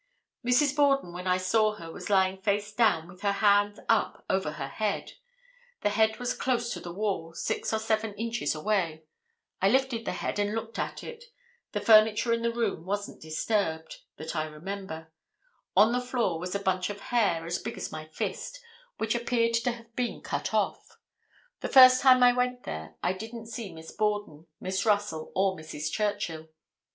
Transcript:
"Mrs. Borden, when I saw her, was lying face down with her hands up over her head; the head was close to the wall, six or seven inches away; I lifted the head and looked at it; the furniture in the room wasn't disturbed, that I remember; on the floor was a bunch of hair, as big as my fist, which appeared to have been cut off; the first time I went there I didn't see Miss Borden, Miss Russell or Mrs. Churchill.